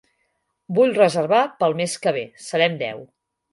Vull reservar pel mes que ve. Serem deu.